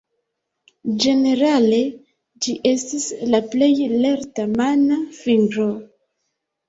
Ĝenerale ĝi estas la plej lerta mana fingro.